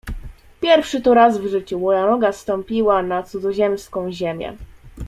"Pierwszy to raz w życiu noga moja stąpiła na cudzoziemską ziemię."